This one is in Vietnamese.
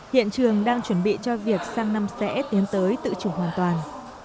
hiện trường đang chuẩn bị cho việc sang năm sẽ tiến tới tự chủ hoàn toàn